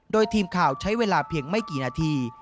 โดยทีมข่าวใช้เวลาเพียงไม่กี่นาที